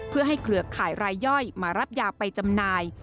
เพื่อให้เครือข่ายรายย่อยมารับยาไปจำหน่าย